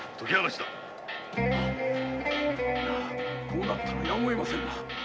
こうなったらやむをえませんな。